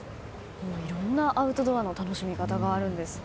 いろんなアウトドアの楽しみ方があるんですね。